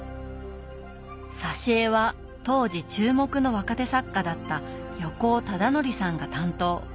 挿絵は当時注目の若手作家だった横尾忠則さんが担当。